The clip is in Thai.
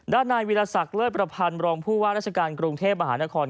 ด้านนายวิทยาศักดิ์เลือดประพันธ์บรองผู้ว่าราชการกรุงเทพฯมหานคร